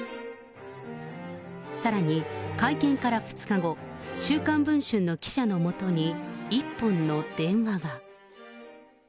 さらに会見から２日後、週刊文春の記者のもとに一本の電話が。